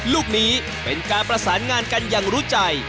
ลูกนี้เป็นการประสานงานกันอย่างรู้ใจ